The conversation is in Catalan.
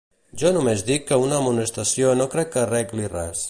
Jo només dic que una amonestació no crec que arregli res.